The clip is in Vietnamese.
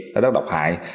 nó rất độc hại